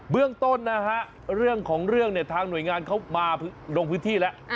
เบื้องต้นเรื่องของเรื่องทางหน่วยงานเขามาลงพื้นที่แล้ว